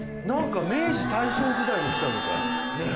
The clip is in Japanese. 何か明治大正時代に来たみたい。